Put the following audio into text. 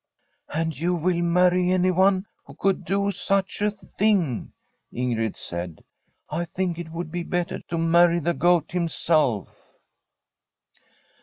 * And you will marry anyone who could do such a tiling I ' Ingrid said. ' I think it would be better to marry the Goat himself.'